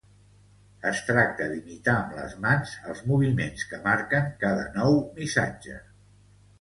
Es tracta d'imitar amb les mans els moviments que marquen cada nou missatge.